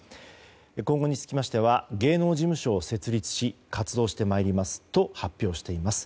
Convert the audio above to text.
今後につきましては芸能事務所を設立し活動してまいりますと発表しています。